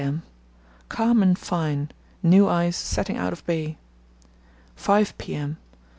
m.—Calm and fine; new ice setting out of bay. 5 p.m.